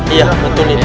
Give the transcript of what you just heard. iya betul ini